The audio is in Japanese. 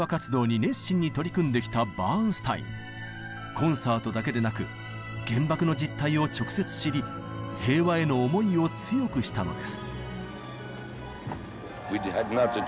コンサートだけでなく原爆の実態を直接知り平和への思いを強くしたのです。